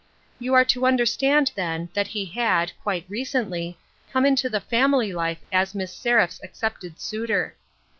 You are to understand, then, that he had, quite recently, come into the family life as Miss Seraph's accepted suitor.